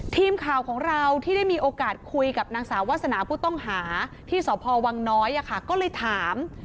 ทีมข่าวของเราที่ได้มีโอกาสคุยกับนางสาววาสนาผู้ต้องหาที่สพวังน้อยก็เลยถาม